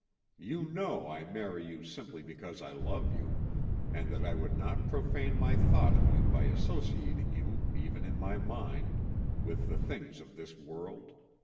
You know I marry you simply because I love you, and that I would not profane my thought of you by associating you, even in my mind, with the things of this world.